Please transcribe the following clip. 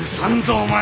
お前！